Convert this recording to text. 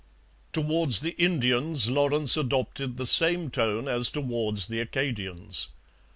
Towards the Indians Lawrence adopted the same tone as towards the Acadians.